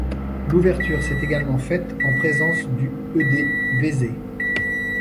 L'ouverture s'est également faite en présence du Ed Vaizey.